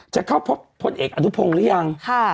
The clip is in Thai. จะเข้าพบพลเอกอนุพงศ์หรือยัง